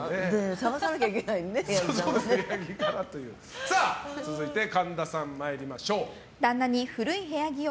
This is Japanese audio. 探さなきゃいけないね続いて、神田さん参りましょう。